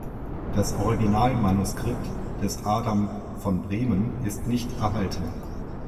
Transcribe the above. Das Originalmanuskript des Adam von Bremen ist nicht erhalten.